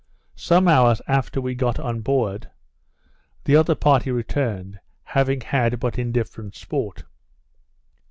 Some hours after we got on board, the other party returned, having had but indifferent sport.